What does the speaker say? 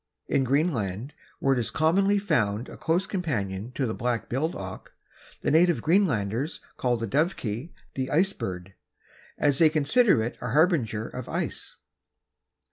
In Greenland, where it is commonly found a close companion of the black billed auk, the native Greenlanders call the Dovekie the Ice Bird, as they consider it a harbinger of ice.